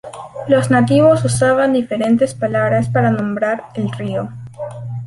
Los nativos usaban diferentes palabras para nombrar el río.